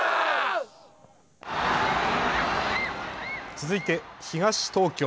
続いて東東京。